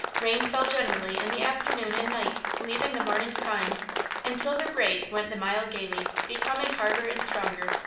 Rain fell generally in the afternoon and night, leaving the mornings fine, and Silver Braid went the mile gaily, becoming harder and stronger.